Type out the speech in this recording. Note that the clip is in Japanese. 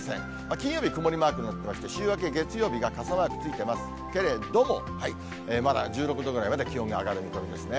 金曜日、曇りマークになってまして、週明け月曜日が傘マークついていますけれども、まだ１６度ぐらいまで気温が上がる見込みですね。